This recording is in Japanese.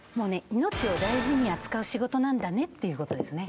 「命を大事に扱う仕事なんだね」っていうことですね